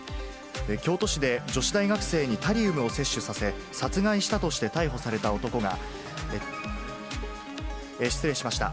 京都市で女子大学生にタリウムを摂取させ、殺害したとして逮捕された男が、失礼しました。